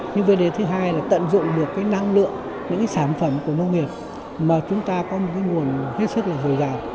nhưng vấn đề thứ hai là tận dụng được năng lượng những sản phẩm của nông nghiệp mà chúng ta có một nguồn hết sức là hồi giảm